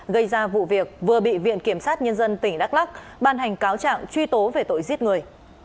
gây ra vụ việc vừa bị viện kiểm sát nhân dân tỉnh đắk lắc ban hành cáo trạng truy tố về tội giết người